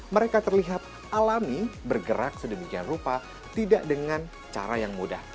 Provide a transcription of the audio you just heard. mereka terlihat alami bergerak sedemikian rupa tidak dengan cara yang mudah